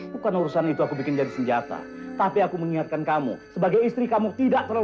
bukan urusan itu aku bikin jadi senjata tapi aku mengingatkan kamu sebagai istri kamu tidak terlalu